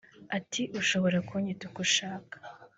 Ati”Ushobora kunyita uko ushaka